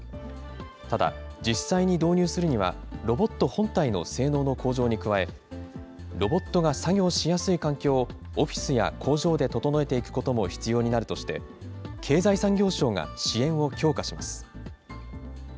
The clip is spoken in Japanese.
ただ、実際に導入するには、ロボット本体の性能の向上に加え、ロボットが作業しやすい環境を、オフィスや工場で整えていくことも必要になるとして、経済産業省が支援を強化します。